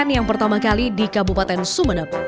yang ada di dunia